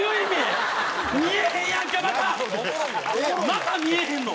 また見えへんの？